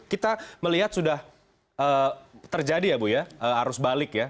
kita melihat sudah terjadi ya bu ya arus balik ya